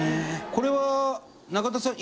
これは中田さん